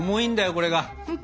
これが。